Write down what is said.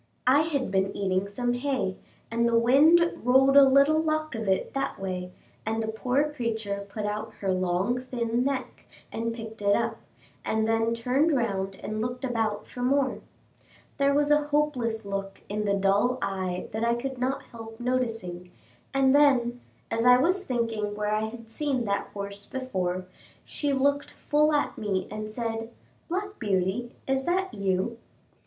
I had been eating some hay, and the wind rolled a little lock of it that way, and the poor creature put out her long thin neck and picked it up, and then turned round and looked about for more. There was a hopeless look in the dull eye that I could not help noticing, and then, as I was thinking where I had seen that horse before, she looked full at me and said, "Black Beauty, is that you?"